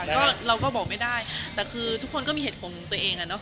เรื่องเวลาค่ะเราก็บอกไม่ได้ทุกคนก็มีเหตุของตัวเองเนาะ